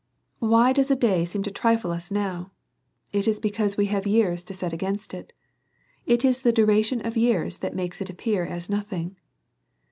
Why does a day seem a trifle to us now ? It is be cause we have years to set against it ; it is the dura tion of years that makes it appear as nothing.